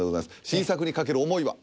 新作にかける思いは？